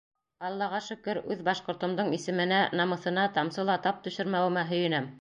Аллаға шөкөр, үҙ башҡортомдоң исеменә, намыҫына тамсы ла тап төшөрмәүемә һөйөнәм.